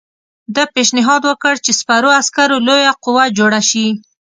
ده پېشنهاد وکړ چې سپرو عسکرو لویه قوه جوړه شي.